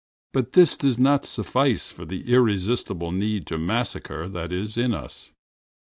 But this does not suffice for the irresistible need to massacre that is in us.